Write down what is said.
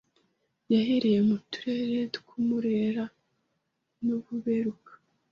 Yahereye mu turere tw’ u Mulera n’ u Buberuka